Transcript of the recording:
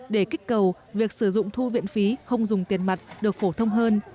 để kích cầu việc sử dụng thu viện phí không dùng tiền mặt được phổ thông hơn